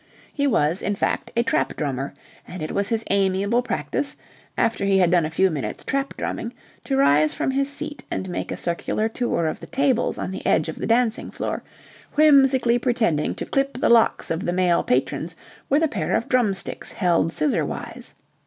He was, in fact, a trap drummer: and it was his amiable practice, after he had done a few minutes trap drumming, to rise from his seat and make a circular tour of the tables on the edge of the dancing floor, whimsically pretending to clip the locks of the male patrons with a pair of drumsticks held scissor wise.